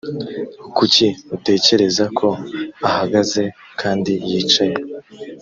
kuki utekereza ko ahagaze kandi yicaye